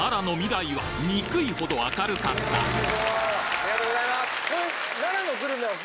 ありがとうございます。